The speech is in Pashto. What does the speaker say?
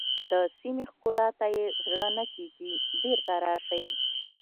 د سیمې ښکلا ته یې زړه نه کېږي بېرته راشئ.